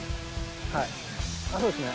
はいそうですね。